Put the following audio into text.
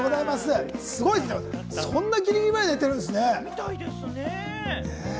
すごいですね、そんなギリギリまで寝てるんですね。